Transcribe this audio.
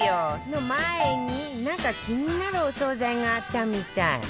の前になんか気になるお惣菜があったみたい